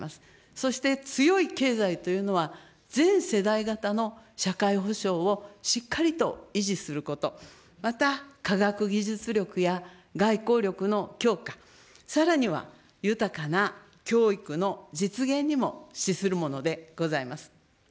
そして強い経済というのは、全世代型の社会保障をしっかりと維持すること、また、科学技術力や外交力の強化、さらには豊かな教育の実現にも資するものでございます。